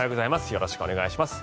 よろしくお願いします。